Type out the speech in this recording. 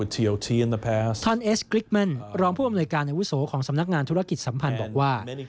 ท่านเอสกริกแม่นรองผู้อำนวยการอาวุโสของสำนักงานธุรกิจสัมพันธ์บอกว่า